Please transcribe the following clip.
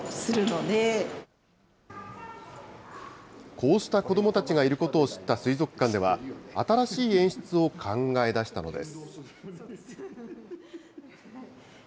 こうした子どもたちがいることを知った水族館では、新しい演出を考え出したのです。